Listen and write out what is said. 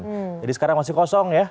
jadi sekarang masih kosong ya